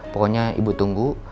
pokoknya ibu tunggu